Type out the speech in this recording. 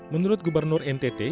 menurut gubernur ntt